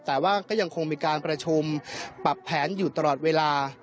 แต่ว่าก็ยังคงมีการประชุมปรับแผนอยู่ตลอดเวลา